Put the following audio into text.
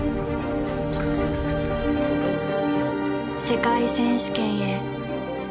世界選手権へ。